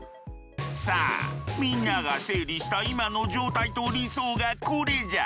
さあみんなが整理した今の状態と理想がこれじゃ。